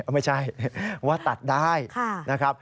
ไม่ใช่ว่าตัดได้นะครับ